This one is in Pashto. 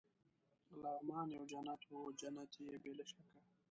لغمان یو جنت وو، جنت يې بې له شکه.